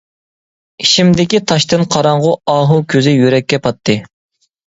ئىچىمدىكى تاشتىن قاراڭغۇ، ئاھۇ كۆزى يۈرەككە پاتتى.